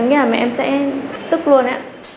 em nghĩ là mẹ em sẽ tức luôn á